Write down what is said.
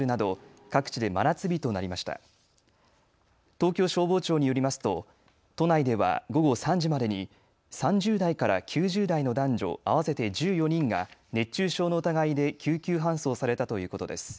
東京消防庁によりますと都内では午後３時までに３０代から９０代の男女合わせて１４人が熱中症の疑いで救急搬送されたということです。